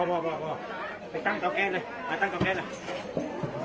ไปตั้งกะแก้นเลยมาตั้งกะแก้นเลย